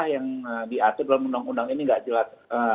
yang diatur dalam undang undang ini tidak jelas